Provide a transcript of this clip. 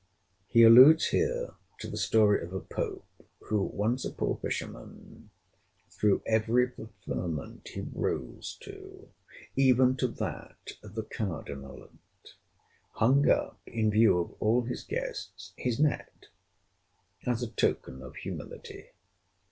He alludes here to the story of a pope, who, (once a poor fisherman,) through every preferment he rose to, even to that of the cardinalate, hung up in view of all his guests his net, as a token of humility.